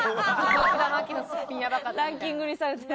ランキングにされてね。